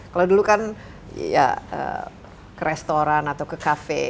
kalau dulu kan ya ke restoran atau ke cafe